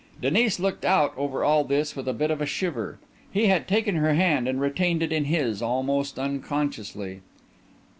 Denis looked out over all this with a bit of a shiver. He had taken her hand, and retained it in his almost unconsciously.